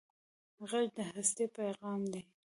غږ د هستۍ پېغام دی